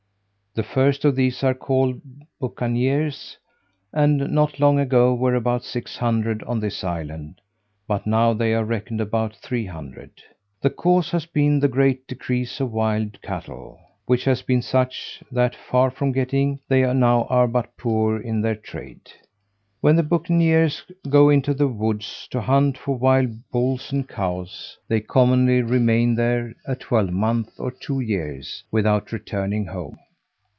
The first of these are called bucaniers, and not long ago were about six hundred on this island, but now they are reckoned about three hundred. The cause has been the great decrease of wild cattle, which has been such, that, far from getting, they now are but poor in their trade. When the bucaniers go into the woods to hunt for wild bulls and cows, they commonly remain there a twelvemonth or two years, without returning home.